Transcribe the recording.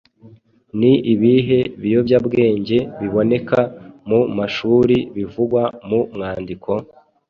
Ni ibihe biyobyabwenge biboneka mu mashuri bivugwa mu mwandiko?